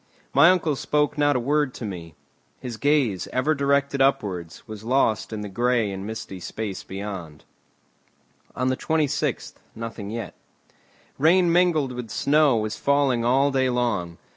My uncle spoke not a word to me. His gaze, ever directed upwards, was lost in the grey and misty space beyond. On the 26th nothing yet. Rain mingled with snow was falling all day long.